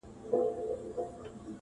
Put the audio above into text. فضا له وېري او ظلم ډکه ده او درنه ده،